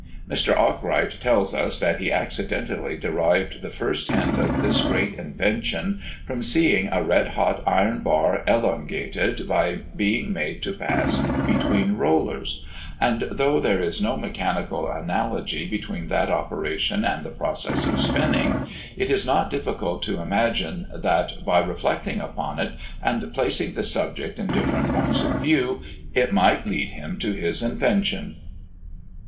Mr. Arkwright tells us, that he accidentally derived the first hint of this great invention from seeing a red hot iron bar elongated by being made to pass between rollers; and, though there is no mechanical analogy between that operation and the process of spinning, it is not difficult to imagine that, by reflecting upon it, and placing the subject in different points of view, it might lead him to his invention.